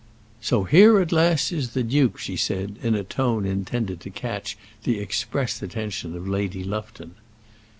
"So here at last is the duke," she said, in a tone intended to catch the express attention of Lady Lufton.